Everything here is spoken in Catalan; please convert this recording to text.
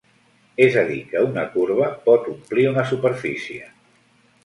És a dir que una corba pot omplir una superfície.